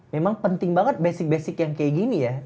memang penting banget basic basic yang kayak gini ya